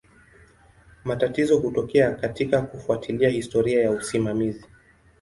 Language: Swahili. Matatizo hutokea katika kufuatilia historia ya usimamizi.